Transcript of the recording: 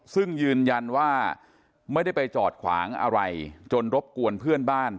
ซึ่งยืนยันว่าไม่ได้ไปจอดขวางอะไรจนรบกวนเพื่อนบ้าน